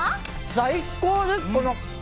最高です！